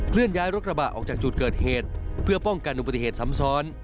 เลื่อนย้ายรถกระบะออกจากจุดเกิดเหตุเพื่อป้องกันอุบัติเหตุซ้ำซ้อน